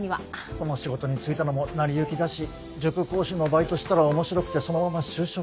この仕事に就いたのも成り行きだし塾講師のバイトしたら面白くてそのまま就職。